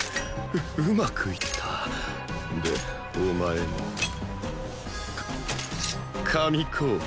ううまくいったでお前もか神候補？